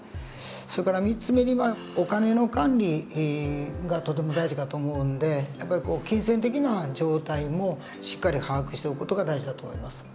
それから３つ目にはお金の管理がとても大事かと思うんでやっぱり金銭的な状態もしっかり把握しておく事が大事だと思います。